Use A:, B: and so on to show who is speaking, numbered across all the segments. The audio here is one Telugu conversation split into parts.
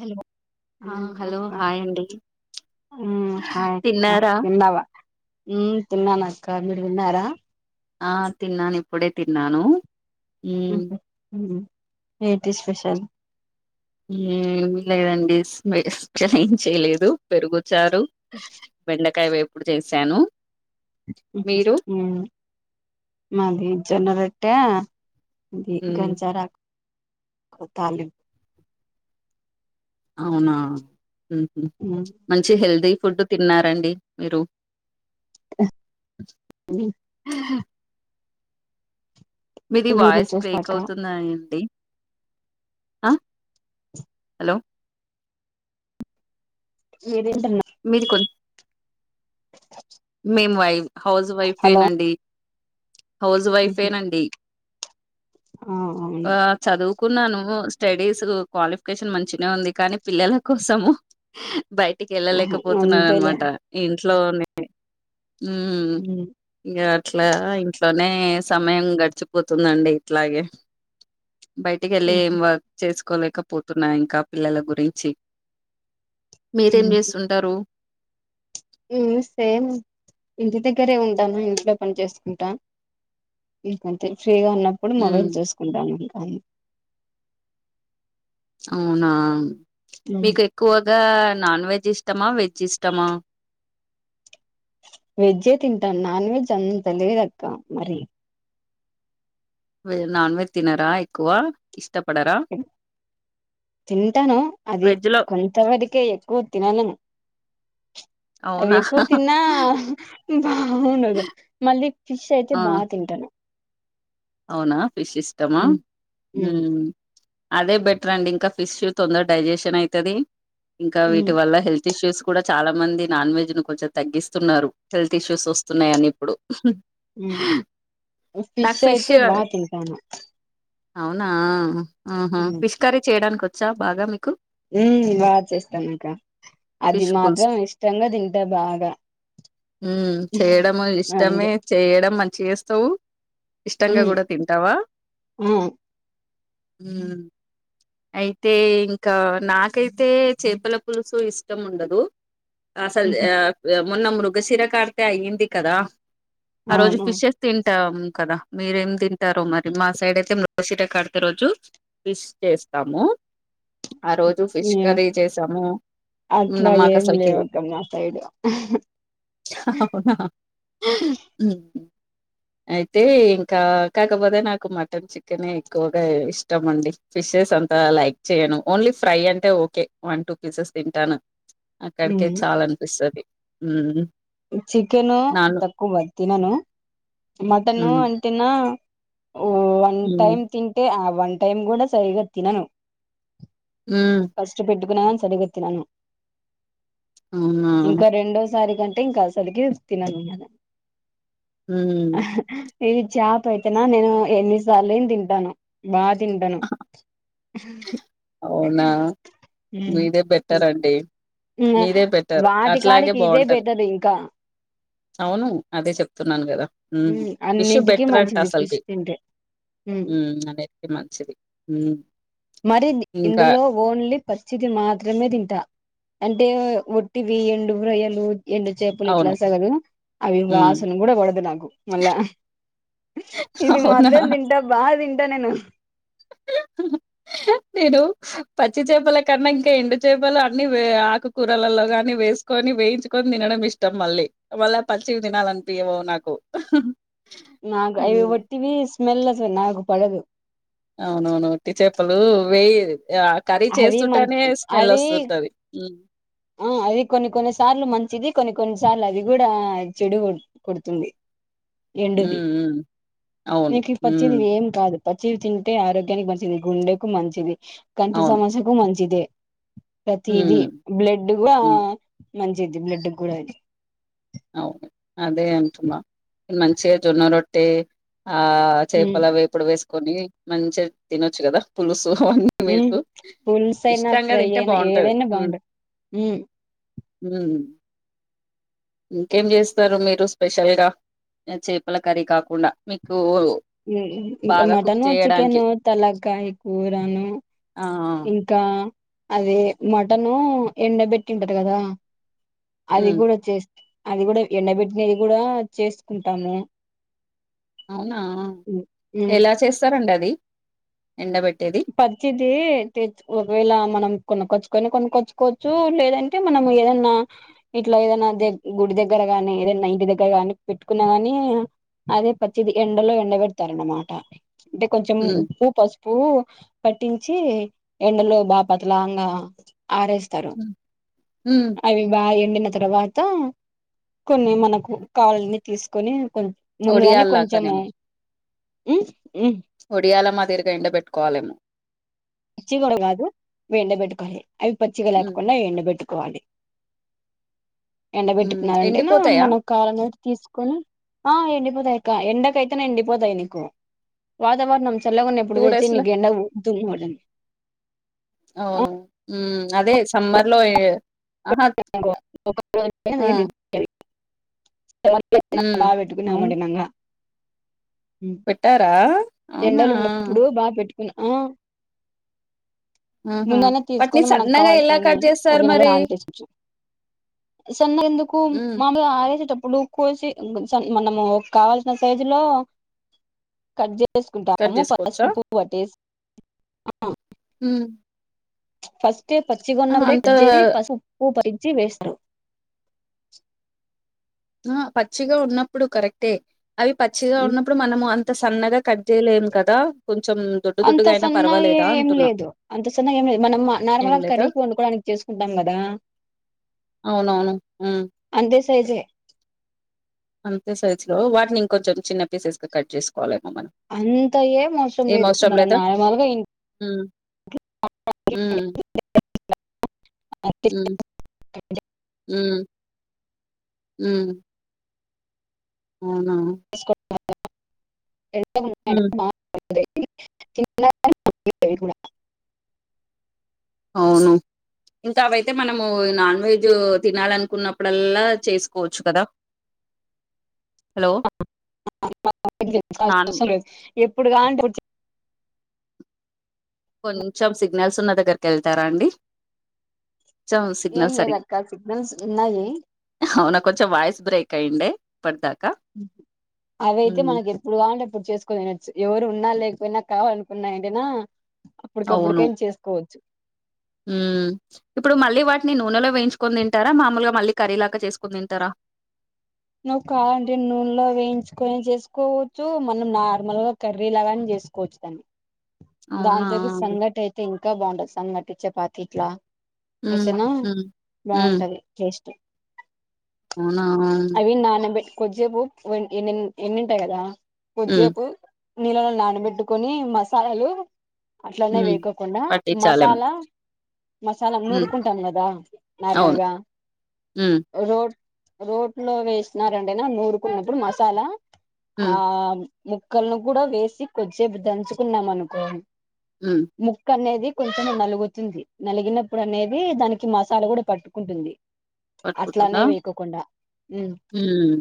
A: హలో హ హలో హాయ్ అండి
B: మ్ హాయ్ అక్క
A: తిన్నారా
B: తిన్నవా, ఉ తిన్నాన అక్క మీరు తిన్నారా?
A: ఆ తిన్నాను ఇప్పుడే తిన్నాను. మ్మ్
B: ఉహు ఉ ఏటి స్పెషల్?
A: ఏం లేదండి స్పెషల్ ఏం చేయలేదు పెరుగు చ్చారు, బెండకాయ వేపుడు చేసాను.
B: మ్ మాది జొన్నరొట్టా ఇది
A: మ్మ్
B: ఘంజరా తాలి
A: అవునా ఉమ్ మంచి హెల్దీ. ఫుడ్ తిన్నారండి మీరు.
B: ఆహ్ ఉమ్.
A: మీ
B: మీరేం
A: వాయిస్ బ్రేక్
B: చేస్తారక్క
A: అవుతుందండి. ఆహ్ హలో.
B: ఏప్.
A: మీది కోం. మేము వైప్ హౌస్
B: హలో
A: వైఫేనండి. హౌస్ వైఫేనండి.
B: ఆహ్ అవును.
A: కున్నాను స్టడీస్ క్వాలిఫికేషన్ మంచిగునే ఉంది కానీ పిల్లల కోసము. బయటికి
B: ఆహా అంతేలే
A: వెళ్ళలేకపోతున్నానమాట ఇంట్లోనే. ఉమ్ ఇంకా. ఇట్లా ఇంట్లోనే సమయం గడిచిపోతుందండి ఇట్లాగే. బయటికి వెళ్ళి
B: ఉమ్
A: ఏం వర్క్ చేసుకోలేకపోతున్నా ఇంకా పిల్లల గురించి. మీరేం
B: ఉమ్
A: చేస్తుంటారు.
B: ఉమ్ సేమ్ ఇంటి దగ్గరే ఉంటాను ఇంట్లో పని చేసుకుంటా. ఇంకంతే. ఫ్రీగా ఉన్నప్పుడు
A: హ్మ్.
B: మొబైల్ చూసుకుంటాను ఇకా.
A: అవునా మీకు ఎక్కువగా నాన్ వెజ్ ఇష్. ఇష్టమా వెజ్ ఇష్టమా.
B: వెజే తింటాను నాన్ వెజ్ అంతా తెలువదక్క మరి.
A: వె నాన్ వెెజ్ తినరా ఎక్కువ ఇష్టపడరా.
B: తింటాను అది
A: వెజ్‌లో
B: కొంతవరకే ఎక్కువ తినను. అవి
A: అవునా!
B: ఎక్కువ తిన్నా బాగుండదు మళ్ళీ ఫిష్ అయితే
A: ఆ!
B: బాగా తింటాను.
A: అవునా ఫిష్ ఇష్టమా
B: ఉమ్,
A: ఉమ్. అదే బెటర్ అండి ఇంకా ఫిష్ తొందర డైజెషన్ అయితది ఇంకా వీటి
B: ఉమ్,
A: వల్ల హెల్త్ ఇష్యూస్. కూడా చాలా మంది నాన్ వెజ్ ను కొంచెం తగ్గిస్తున్నారు హెల్త్ ఇష్యూస్ వస్తున్నాయని ఇప్పుడు.
B: ఫిష్ అయితే బాగా తింటాను.
A: అవునా ఆహ
B: ఉమ్,
A: ఫిష్ కర్రీ చేయడానికి వచ్చా బాగా మీకు.
B: ఉమ్ బాగా చేస్తాను అక్క అది
A: ఫిష్ పులుసు
B: మాత్రం ఇష్టంగా తింటా బాగా.
A: ఉమ్ చేయడం
B: అందు
A: ఇష్టమే చేయడం మంచిగా చేస్తావు. ఇష్టంగా
B: ఉమ్,
A: కూడా తింటావా.
B: ఆ,
A: అయితే ఇంకా నాకైతే చేపల పులుసు ఇష్టం ఉండదు. అసలు
B: ఉహు,
A: ఆహ్ మొన్న మృగశిరకార్తే అయ్యింది కదా. ఆ రోజు
B: అవును
A: ఫిషెస్ తింటాం. కదా మీరేం తింటారో మరి మా సైడ్ అయితే మృగశిర కార్తి రోజు ఫిష్ చేస్తాము. ఆ రోజు ఫిష్
B: ఏం
A: కర్రీ చేసాము.
B: అట్లా
A: మాకు
B: ఏం
A: అసలుకి
B: లేవక్క నా సైడ్ ఆహ్.
A: అవునా ఆహ్ ఉమ్ అయి అయితే ఇంకా కాకపోతే నాకు మటన్ చికెనే ఎక్కువగా ఇష్టం అండి ఫిషెస్ అంత. లైక్ చేయను ఓన్లీ ఫ్రై అంటే ఓకే వన్ టూ పీసెస్ తింటాను. అక్కడికే
B: ఉమ్.
A: చాలు అనిపిస్తది ఉమ్.
B: చికెను తక్కువే తినను మటన్
A: మ్మ్
B: అంటేన్నా. ఆ వన్ టైమ్ తింటే ఆ వన్ టైమ్ కూడా సరిగా తినను
A: ఉ
B: వండుకున్న కానీ సరిగతిన్నాను
A: మ్మ్ అవునా
B: ఇంకా రెండోసారి కం టే ఇంకా అసలకే తినను
A: మ్మ్
B: ఇది చాప్ అయితేనా నేను ఎన్నిసార్లు తింటాను బా తింటను
A: అవునా మీదే బెటర్ అండి మీదే బెటర్
B: వాటి
A: అట్లాగే
B: కాడికి ఇదే
A: బాగుంటది
B: బెటర్ ఇంకా
A: అవును అదే చెప్తున్నాను కదా ఫిష్
B: అన్నిటికీ
A: బెటర్ అంటే
B: మంచిది ఫిష్
A: అసలుకి
B: తింటే
A: ఉ అనేతే మంచిది
B: మరి
A: ఇంకా
B: ఇందులో ఓన్లీ పచ్చిది మాత్రమే తింటా అంటే వట్టివి ఎండు రొయ్యలు ఎండు చేపులు ఇట్లా
A: అవును.
B: సగల అవి
A: హ్మ్.
B: వాసన కూడా కొడదు నాకు మళ్ళా ఇది
A: అవునా?
B: మాత్రం తింటా బాగా తింటా నేను
A: నేను పచ్చి చేపల కన్నా ఇంకా ఎండు చేపలు అన్ని ఆకుకూరలలో గాని వేసుకొని వేయించుకొని తినడం ఇష్టం మళ్ళీ మళ్ళ పచ్చికి తినాలనిపియవు నాకు
B: నాకు అయివి
A: హ్మ్.
B: ఒట్టివి స్మెల్ అసలు నాకు పడవు
A: అవునవును ఉట్టి చేపలు వేయేది ఆ కర్రీ
B: అవి మ
A: చేస్తుంటేనే స్మెల్ వస్తుంటది
B: అది కొన్ని కొన్ని సార్లు మంచిది కొన్ని కొన్ని సార్లు అది కూడా చెడు కొడుతుంది ఎండువి
A: హ్మ్. హ్మ్. అవును.
B: నీకు ఈ
A: హ్మ్.
B: పచ్చేదివి ఏం కాదు పచ్చి తింటే ఆరోగ్యానికి మంచిది గుండెకు మంచిది కంటి
A: అవును.
B: సమస్యకు మంచిదే ప్రతిది
A: హ్మ్.
B: బ్లడ్ కూడా
A: హ్మ్.
B: మంచిది బ్లడ్ కూడా ఇది
A: అవు అదే అంటున్న ఈ మంచిగా జొన్న రొట్టె ఆ
B: ఉమ్
A: చేపల వేపుడు వేసుకొని మంచిగా తినొచ్చు కదా పులుసు సో
B: ఉమ్
A: మీకు
B: పులుసు అయినా
A: ఇష్టంగా
B: ఫ్రై
A: తింటే
B: అయినా
A: బాగుంటది
B: ఏదైనా
A: హు
B: బాగుంటది ఉమ్,
A: ఇంకేం చేస్తారు మీరు స్పెషల్ గా చేపల కర్రీ కాకుండా మీకు
B: ఇంకా
A: బాగా కుక్
B: మటన్
A: చేయడానికి?
B: చికెను తలాకాయ కూరను
A: ఆ! ఆ!
B: ఇంకా అదే మటన్ ఎండబెట్టింటది కదా అది
A: హ్మ్.
B: కూడా చేస్త అది కూడా ఎండబెట్టినది కూడా చేసుకుంటాము
A: అవునా
B: ఉమ్ ఉమ్.
A: ఎలా చేస్తారండి అది ఎండబెట్టేది?
B: పచ్చిదే ఒకవేళ మనం కొనకొచ్చు కొనుకొచ్చుకోవచ్చు లేదంటే మనం ఏదన్నా ఇట్లా ఏదైనా గుడి దగ్గర గాని ఏద ఇంటి దగ్గరగాని పెట్టుకున్న గాని అదే పచ్చిది ఎండలో ఎండ పెడతారు అనమాట అంటే కొంచెం
A: హ్మ్.
B: ఉప్పు పసుపు పట్టించి ఎండలో బాపతలాంగా ఆరేస్తారు
A: హ్మ్. హ్మ్.
B: అవి బాగా ఎండిన తర్వాత కొన్ని మనకు కావల్లని తీసుకొని కొ ముందుగానే కొంచెము
A: ఒడియాల్లాగానేమో. ఒడియాల మాదీరిగా ఎండబెట్టుకోవాలేమో
B: పచ్చి కూడా కాదు ఎండబట్టుకోవాలి అవి పచ్చిగా
A: హ్మ్.
B: లేకుండా ఎండబట్టుకోవాలి పోవాలి
A: హ్మ్
B: ఎండబెట్టుకున్నారంటేనా
A: ఎండిపోతాయా?
B: మనం కావాలంటే తీసుకొని ఆ ఎండిపోతాయి దా ఎండ కైతేనే ఎండిపోతాయి నీకు వాతావరణం చల్గా ఉన్నవి ఇప్పుడు వేజ్
A: డేస్‌ల
B: నీకు ఎండవు దూదిమల
A: అవును ఉమ్ అదే సమ్మర్ లో ఏ ఆహ ఊ
B: [unintelligible] బాగా
A: అవును.
B: పెట్టుకొనిమలా
A: పెట్టారా అవునా?
B: ఎండలు ఉండప్పుడు బాగా పెట్టుకున్నా ఆ
A: ఆహా!
B: ముందనే
A: వాటిని
B: తీసుకొని మనకు
A: సన్నగా ఎలా
B: కావాల్సినని
A: కట్
B: ఒక
A: జేస్తారు
B: గిన్నెలో
A: మరి?
B: నానబెటిచు సన్న ఎందుకు
A: హ్మ్.
B: మామిలు అరెటట్టు ఇప్పుడు కోసి మనము కావాల్సిన సైజు లో కట్ చే
A: కట్
B: చేసుకుంటాము
A: జేసుకోవచ్చా?
B: పసుపు కట్టేసి
A: ఉమ్
B: ఫస్టే పచ్చిగా ఉన్నప్పుడే కట్ చేసి పసు పు వేస్తారు
A: ఆ పచ్చిగా ఉన్నప్పుడు కరెక్టే అవి పచ్చిగా ఉన్నప్పుడు మనము అం త సన్నగా కట్ చేయలేము కదా కొం
B: అంత సన్నగా ఏం లేదు అంత సన్నగా ఏం లేదు మనం
A: ఏం
B: నార్మల్గా
A: లేదా?
B: కర్రీకి వండుకోడానికి చే సుకుంటాం కదా
A: అవునవును ఉ
B: సైజ్
A: అంతే సైజ్ లో వాటిని ఇంకొంచెం చిన్న పీసెస్ గా కట్ చేసుకోవాలి
B: అంత ఏం అవసరం లేదు మనం
A: లేదా
B: నార్మల్గా
A: ఉమ్
B: ఇట్లో
A: ఉమ్ ఉమ్ ఊ ఉమ్ ఉహ్మ్ ఉమ్
B: [unintelligible]
A: అవును ఇంకా అవైతే మనము నాన్ వెజ్ తినాలనుకున్నప్పుడల్లా చేసుకోవచ్చు కదా హలో నాన్
B: [unintelligible] ఎప్పుడు కానీ రిజ్
A: కొంచెం సిగ్నల్స్ ఉన్న దగ్గరికి వెళ్తారా అండి కొంచెం సిగ్నల్
B: ఏం
A: సరి
B: లేదక్క సిగ్నల్స్ ఉన్నాయి
A: అవునా కొంచెం వాయిస్ బ్రేక్ అయింది
B: అదయితే
A: ఉమ్
B: మనకి ఎప్పుడు కావాలంటే అప్పుడు చేసుకోవచ్చు ఎవరు ఉన్నా లే మనం కావాలనుకున్నాగానీ
A: అవును
B: ఎప్పటికప్పుటికైనా చేసుకోవచ్చు
A: ఉమ్ ఇప్పుడు మళ్ళీ వాటిని నూనెలో వేయించుకోని తింటారా మామూలుగా మళ్ళీ కర్రీ లాక చేసుకుని తింటారా
B: నువ్వు కావాలంటే నూనెలో వేయించుకొని చేసుకోవచ్చు మనం నార్మల్ గా కర్రీ లాగాన చే సుకోవచ్చుదాన్ని
A: అవునా
B: దాంతో సంఘట అయితే ఇంకా బాగుంటది సంఘటి చపాతి ఇట్లా
A: ఉమ్
B: అయితేనే
A: ఉమ్ ఉమ్
B: బాగుంటది టేస్ట్
A: అవునవును
B: అవి నానబెట్టి కొద్దిసేపు ఎన్ని ఎన్నింటాయి కదా
A: ఉమ్
B: కొద్దిసేపు నీళ్ళలో నానబెట్టుకొని మసాలాలు అట్లానే
A: హ్మ్.
B: వేకోకుండా
A: పట్టించాలేమో.
B: మసాలా మసాలా
A: హ్మ్.
B: నూరుకుంటాం కదా
A: అవును.
B: నార్మల్గా
A: హ్మ్.
B: రోడ్ రోట్లో వేసిన రండైనా నూరుకున్నప్పుడు మసాలా
A: హ్మ్.
B: ఆ ముక్కలను కూడా వేసి కొద్సేపు దంచుకున్నాం అనుకోం
A: హ్మ్.
B: ముక్క అనేది కొంచెం నలుగుతుంది నలిగినప్పుడు అనేది దానికి మసాలా కూడా పట్టుకుంటుంది అట్లానే వేకోకుండా
A: ఉమ్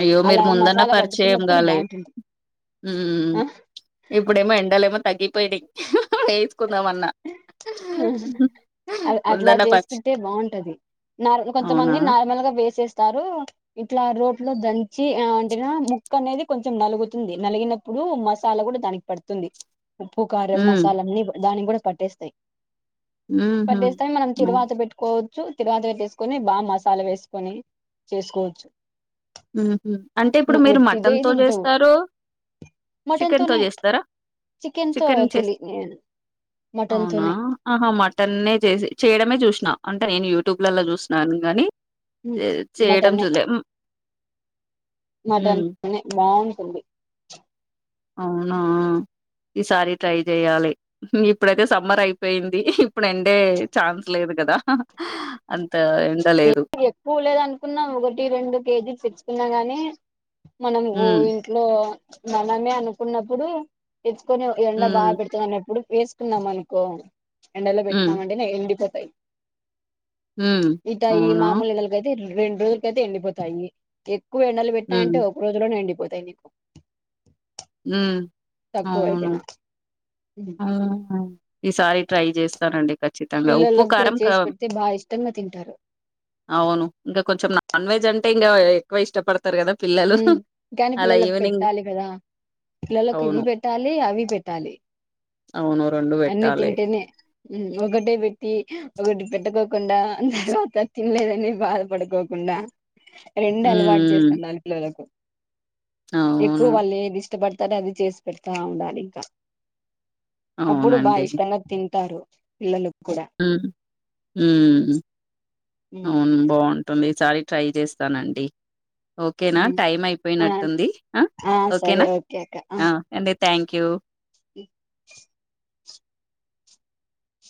A: అయ్యో మీరు
B: అలా
A: ముందన్న
B: మసాలా
A: పరిచయం
B: పట్టుకున్నప్పుడు
A: కాలే
B: బాగుంటుంది ఆ
A: ఇప్పుడేమో ఎండలే ఏమో తగ్గిపోయినాయి వేసుకుందామన్నా
B: అట్లా
A: ముందన్న పచ్చి
B: చేసుకుంటే బాగుంటది నార్
A: అవునా?
B: కొంతమంది నార్మల్గా వేసేస్తారు ఇట్లా రోట్ ఇందుట్లో దంచి అంటేనా ముక్క అనేది కొంచెం నలుగుతుంది నలిగినప్పుడు మసాలా కూడా దానికి పడుతుంది ఉప్పు కారం
A: హ్మ్.
B: మసాలన్నీ దానికి కూడా పట్టేస్తాయి
A: హుహు.
B: పట్టేస్తాయి మనం
A: ఓహ్!
B: తీరువాత పెట్టుకోవ చ్చు తిరువాతి పెట్టేసుకొని బాగా మసాలా వేసుకొని చేసుకోవచ్చు
A: ఉహ అంటే ఇప్పుడు
B: నువ్వు
A: మీరు
B: ఒట్టిదే
A: మటన్ తో
B: తింటావు
A: చేస్తారు
B: మటన్
A: చికెన్తో
B: తోనే
A: చేస్తారా
B: తో
A: చికెన్ చేస్త
B: తెలి మటన్
A: అవునా
B: తోనే
A: ఆహా మటన్నే చేసి చేయడమే చూస నా అంటే నేను యూట్యూబ్లలో చూసిన్నాను కాగాని చేయడం
B: మటనే
A: చూలే
B: మటన్ తోనే బాగుంటుంది
A: అవునా ఈసారి ట్రై చెయాలి ఇప్పుడైతే సమ్మర్ అయిపోయింది ఇప్పుడు ఎండే ఛాన్స్ లేదు కదా ఎండ లేదు.
B: ఎకు ఎక్కువ లేద అనుకున్నాం ఒకటి రెండు కేజీ తెచ్చుకున్నా గాని మనము
A: హ్మ్.
B: ఇంట్లో మనమే అనుకున్నప్పుడు తెచ్చుకొని ఎండ
A: హ్మ్.
B: బాగా పెడుతుంది అన్నప్పుడు వేసుకున్నాం అనుకో ఎండలో
A: హ్మ్.
B: పెట్నామంటే ఎండి ప సై
A: హ్మ్.
B: ఇట ఈ
A: అవునా!
B: మామూలు ఎండలకైతే రెండు రోజులకైతే ఎండిపోతాయి ఎక్కువ ఎండలు పెట్నాయ్
A: హ్మ్.
B: అంటే ఒక రోజులోనే ఎండిపోతా తాయ్
A: ఉ అవును ఈసారి ట్రై చేస్తానండి ఖచ్చితంగా ఉప్పు
B: పిల్లలకు కూడా
A: కారం క
B: చేసి పెడితే బాగా ఇష్టంగా తింటారు
A: అవును ఇంకా కొంచెం నాన్ వెజ్ అంటే ఇంకా ఎక్కువ ఇష్టపడ తారు కదా పిల్లలు
B: ఉమ్ కానీ
A: అలా
B: పిల్లలకు
A: ఈవినింగ్
B: పెట్టాలి కదా పిల్లలకు
A: అవును.
B: ఇవి పెట్టాలి అవి పెట్టాలి
A: అవును రెండు
B: అన్ని
A: పెట్టాలి
B: తింటేనే ఒకటే పెట్టి ఒకటి పెట్టుకోకుండా అ తర్వాత తినలేదని బాధపడుకోకుండా రెండు అలవాటు
A: హ్మ్.
B: చేస్తున్నారు పిల్లలకు ఎక్కువ
A: అవును.
B: వాళ్ళు ఏది ఇష్టపడతారో అది చేసి పెడతా ఉండాలి ఇంకా అప్పుడు బాగా
A: అవునండి.
B: ఇష్టంగా తింటారు పిల్లలు కూడా
A: ఉమ్
B: ఉమ్
A: అవును బా బాగుంటుంది ఈసారి ట్రై చేస్తానండి ఓకేనా
B: ఉమ్.
A: టైం
B: ఆ
A: అయిపోయినట్టుంది ఆ
B: సరే
A: ఓకేనా
B: ఓకే అక్క
A: ఆ అండి థ్యాంక్ యూ